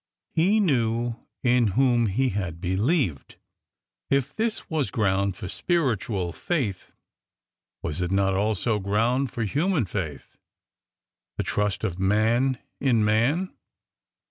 ... He knew in whom he had believed." ... If this was ground for spiritual faith, was it not also ground for human faith— the trust of man in man?